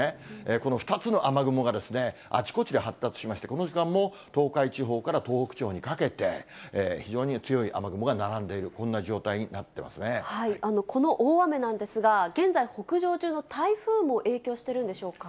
この２つの雨雲が、あちこちで発達しまして、この時間も、東海地方から東北地方にかけて、非常に強い雨雲が並んでいる、この大雨なんですが、現在、北上中の台風も影響してるんでしょうか？